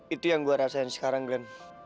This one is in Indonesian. itu yang gue rasain sekarang glenn